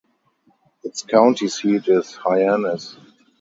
Its county seat is Hyannis.